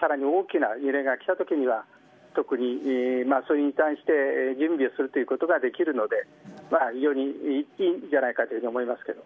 さらに大きな揺れがきたときには特に、それに対して準備をするということができるので非常にいいんじゃないかと思います。